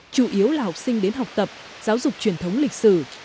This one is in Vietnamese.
chủ yếu là học sinh đến học tập giáo dục truyền thống lịch sử